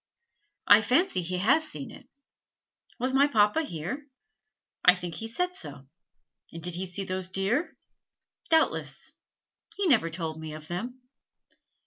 "I fancy he has seen it." "Was my papa here?" "I think he said so." "And did he see those deer?" "Doubtless." "He never told me of them."